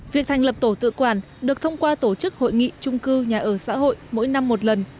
việc thành lập tổ tự quản được thông qua tổ chức hội nghị trung cư nhà ở xã hội mỗi năm một lần